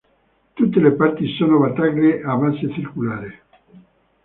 Tutte le parti sono battaglie a base circolare.